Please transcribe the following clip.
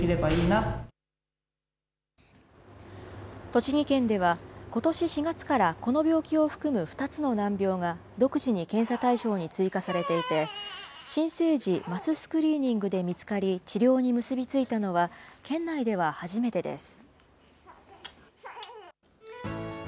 栃木県では、ことし４月から、この病気を含む２つの難病が独自に検査対象に追加されていて、新生児マススクリーニングで見つかり治療に結び付いたのは、県内では初めてです。